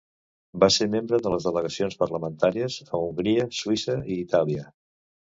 Va ser membre de les delegacions parlamentàries a Hongria, Suïssa i Itàlia.